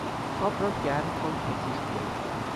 آب را گرم کن تا جوش بیاید.